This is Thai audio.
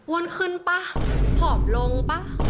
ว่านขึ้นป๊ะภอมลงป๊ะ